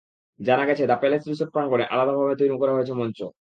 জানা গেছে, The Palace Resort প্রাঙ্গণে আলাদাভাবে তৈরি করা হয়েছে মঞ্চ।